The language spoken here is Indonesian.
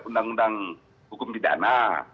undang undang hukum didana